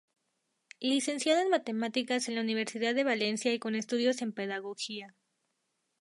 Licenciado en Matemáticas en la Universidad de Valencia y con estudios en Pedagogía.